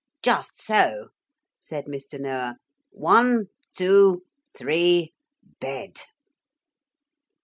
'Just so,' said Mr. Noah. 'One, two, three! Bed!'